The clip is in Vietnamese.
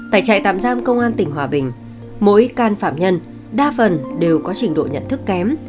tại trại tạm giam công an tỉnh hòa bình mỗi can phạm nhân đa phần đều có trình độ nhận thức kém